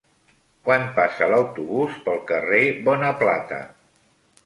Quan passa l'autobús pel carrer Bonaplata?